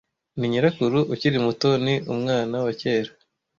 ni nyirakuru ukiri muto ni umwana wa kera